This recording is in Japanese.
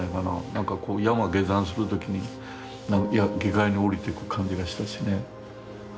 何か山下山する時に下界に降りていく感じがしたしね。